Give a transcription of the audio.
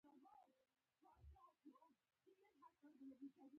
که نه تر اوږده به دې په ساره لوی کړم.